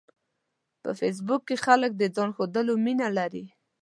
په فېسبوک کې خلک د ځان ښودلو مینه لري